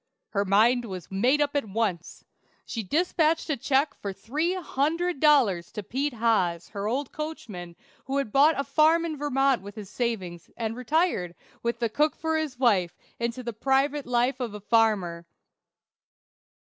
Her mind was made up at once. She dispatched a check for three hundred dollars to Peter Haas, her old coachman, who had bought a farm in Vermont with his savings, and retired, with the cook for his wife, into the private life of a farmer.